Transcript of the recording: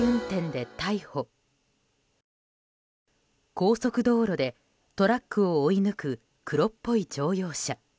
高速道路でトラックを追い抜く黒っぽい乗用車。